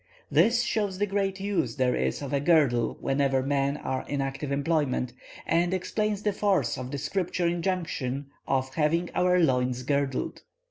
This shows the great use there is of a girdle whenever men are in active employment, and explains the force of the Scripture injunction of having our loins girded.